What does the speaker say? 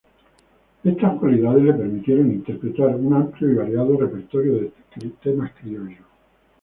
Estas cualidades le permitieron interpretar un amplio y variado repertorio de temas criollos.